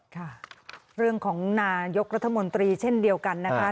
ค่ะเรื่องของนายกรัฐมนตรีเช่นเดียวกันนะคะ